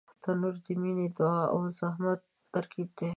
تنور د مینې، دعا او زحمت ترکیب دی